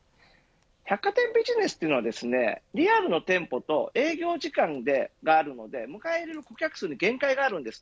百貨店ビジネスはリアルの店舗と営業時間があるので迎える顧客数に限界があります。